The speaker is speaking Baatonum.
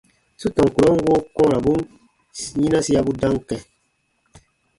Su tɔn kurɔn woo kɔ̃ɔrabun yinasiabu dam kɛ̃.